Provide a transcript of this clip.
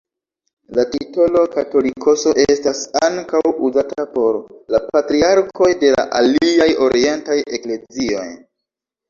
La titolo «katolikoso» estas ankaŭ uzata por la patriarkoj de la aliaj orientaj eklezioj.